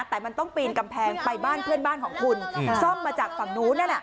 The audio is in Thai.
แต่มันต้องปีนกำแพงไปบ้านเพื่อนบ้านของคุณซ่อมมาจากฝั่งนู้นนั่นแหละ